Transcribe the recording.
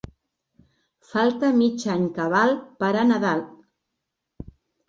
Falta mig any cabal per a Nadal.